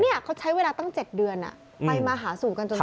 เขาใช้เวลาตั้ง๗เดือนไปมาหาสู่กันจน